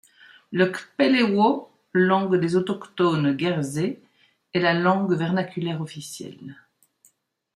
Le kpèlèwo, langue des autochtones guerzé est la langue vernaculaire officielle.